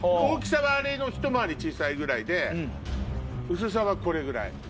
大きさはあれのひと回り小さいぐらいで薄さはこれぐらい。